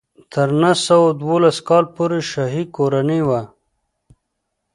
تر نهه سوه دولس کال پورې شاهي کورنۍ وه.